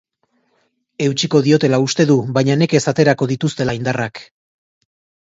Eutsiko diotela uste du baina nekez aterako dituztela indarrak.